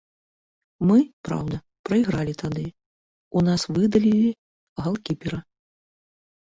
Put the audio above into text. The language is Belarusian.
Мы, праўда, прайгралі тады, у нас выдалілі галкіпера.